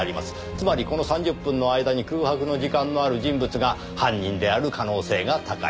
つまりこの３０分の間に空白の時間のある人物が犯人である可能性が高い。